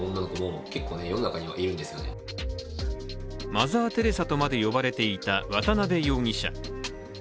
マザーテレサとまで呼ばれていた渡邊容疑者。